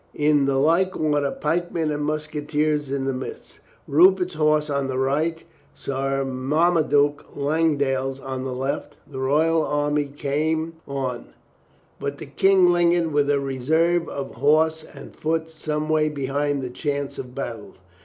In the like order, pikemen and musketeers in the midst, Rupert's horse on the right, Sir Mar maduke Langdale's on the left, the royal army came THE KING TURNS 323 on. But the King lingered with a reserve of horse and foot some way behind the chance of battle.